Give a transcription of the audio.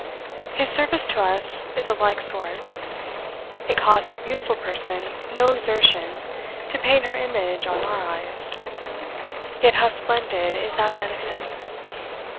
His service to us is of like sort. It costs a beautiful person no exertion to paint her image on our eyes; yet how splendid is that benefit!